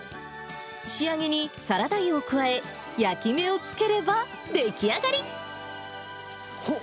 仕上げにサラダ油を加え、焼き目をつければ出来上がり。